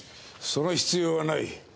その必要はない。